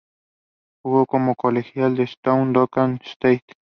Jugo como colegial en South Dakota State.